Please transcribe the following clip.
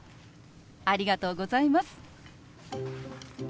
ありがとうございます。